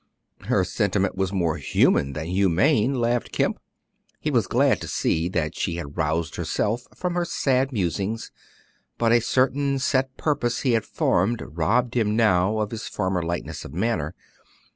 '" "Her sentiment was more human than humane," laughed Kemp. He was glad to see that she had roused herself from her sad musings; but a certain set purpose he had formed robbed him now of his former lightness of manner.